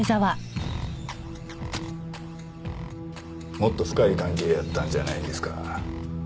もっと深い関係やったんじゃないんですか？